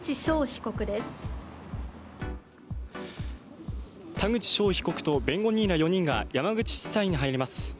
被告と弁護人ら４人が山口地裁に入ります。